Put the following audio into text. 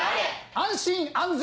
安心安全！